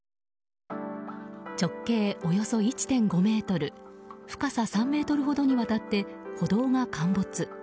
直径およそ１．５ｍ深さ３ｍほどにわたって歩道が陥没。